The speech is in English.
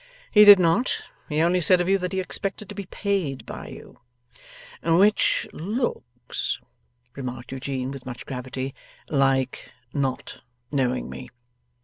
'He did not. He only said of you that he expected to be paid by you.' 'Which looks,' remarked Eugene with much gravity, 'like NOT knowing me.